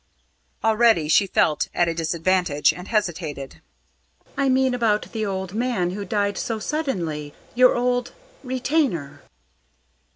Already she felt at a disadvantage, and hesitated. "I mean about the old man who died so suddenly your old ... retainer."